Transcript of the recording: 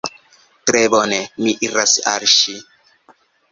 Tre bone, mi iras al ŝi.